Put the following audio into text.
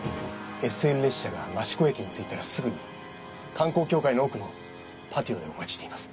ＳＬ列車が益子駅に着いたらすぐに観光協会の奥のパティオでお待ちしています。